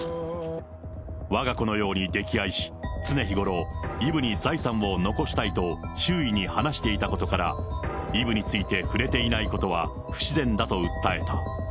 わが子のように溺愛し、常日頃、イブに財産を遺したいと、周囲に話していたことから、イブについて触れていないことは、不自然だと訴えた。